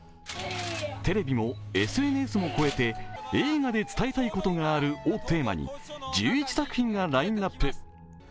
テレビもＳＮＳも超えて映画で伝えたいことがあるをテーマに１１作品がラインナップ。